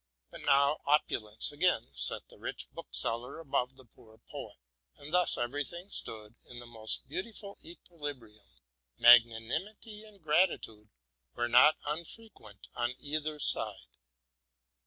But now opulence again set the rich bookseller above the poor poet, and thus every thing stood in the most beautiful equilibrium. Magnanimity and gratitude were not unfre quent on either side.